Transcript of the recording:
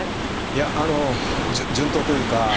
いやあの順当というか。